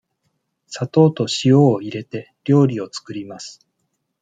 砂糖と塩を入れて、料理を作ります。